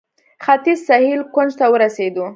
ختیځ سهیل کونج ته ورسېدو.